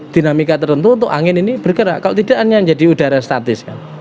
dinamika tertentu untuk angin ini bergerak kalau tidak hanya menjadi udara statis